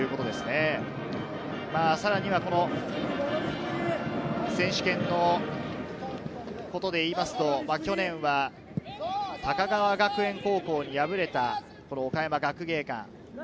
さらには選手権のことでいいますと、去年は、高川学園高校に敗れた岡山学芸館。